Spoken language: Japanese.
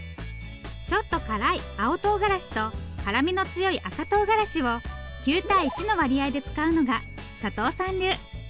ちょっと辛い青とうがらしと辛みの強い赤とうがらしを９対１の割合で使うのが佐藤さん流。